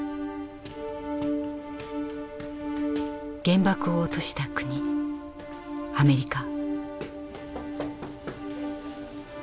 原爆を落とした国アメリカ。